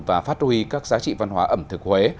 và phát huy các giá trị văn hóa ẩm thực huế